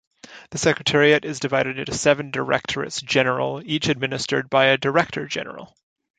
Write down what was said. The Secretariat is divided into seven directorates-general, each administered by a director-general.